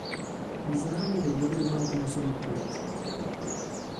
V zahradě byl vybudován tenisový kurt.